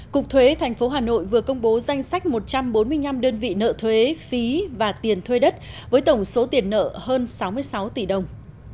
cục thuế tp hà nội vừa công bố danh sách một trăm bốn mươi năm đơn vị nợ thuế phí và tiền thuê đất với tổng số tiền nợ hơn sáu mươi sáu tỷ đồng